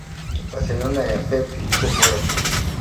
Barcelona ya Pep ilikuwa bora sana